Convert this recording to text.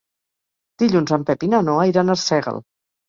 Dilluns en Pep i na Noa iran a Arsèguel.